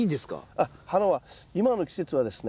あっ花は今の季節はですね